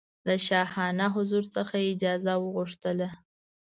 له شاهانه حضور څخه یې اجازه وغوښتله.